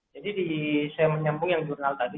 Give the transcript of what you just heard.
jadi saya menyambung yang jurnal tadi